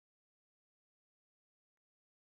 Nkuba yaje kugutarurira umuhoro arakubura